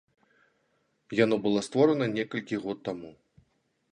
Яно было створана некалькі год таму.